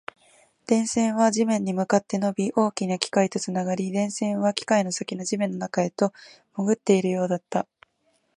電線は地面に向かって伸び、大きな機械とつながり、電線は機械の先の地面の中へと潜っているようだった